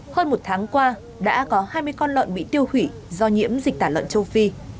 hơn một tháng qua đã có hai mươi con lợn bị tiêu hủy do nhiễm dịch tả lợn châu phi